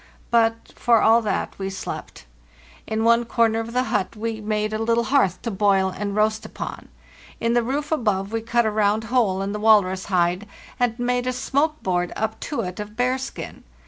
But, for all that, we slept. In 28 FARTHEST NORTH one corner of the hut we made a little hearth to boil and roast upon. In the roof above we cut a round hole in the walrus hide, and made a smoke board up to it of bearskin.